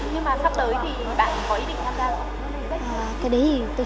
nhưng mà sắp tới thì bạn có ý định tham gia không